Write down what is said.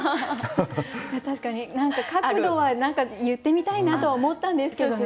確かに角度は言ってみたいなとは思ったんですけどね。